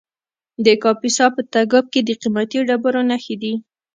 د کاپیسا په تګاب کې د قیمتي ډبرو نښې دي.